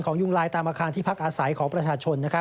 ยุงลายตามอาคารที่พักอาศัยของประชาชน